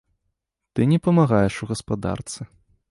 Ты не памагаеш у гаспадарцы.